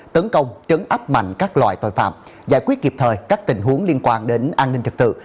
tấn công chấn áp mạnh các loại tội phạm giải quyết kịp thời các tình huống liên quan đến an ninh trật tự